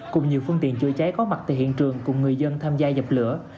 cùng nhiều phương tiện chữa cháy có mặt tại hiện trường cùng người dân tham gia dập lửa